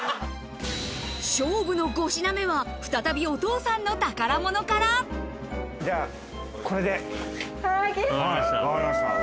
勝負の５品目は再びお父さんじゃあ、これで。